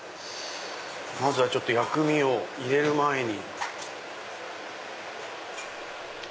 まずは薬味を入れる前に。